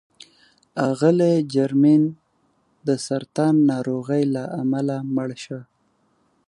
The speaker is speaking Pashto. اغلې جرمین د سرطان ناروغۍ له امله مړه شوه.